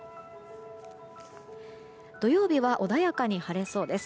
土曜日は穏やかに晴れそうです。